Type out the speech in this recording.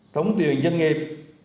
thống tiền dân nghiệp